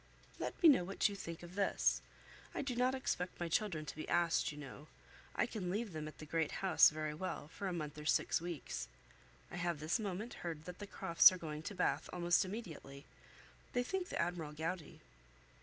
Let me know what you think of this. I do not expect my children to be asked, you know. I can leave them at the Great House very well, for a month or six weeks. I have this moment heard that the Crofts are going to Bath almost immediately; they think the Admiral gouty.